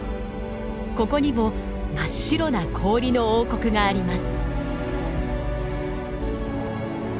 ここにも真っ白な氷の王国があります。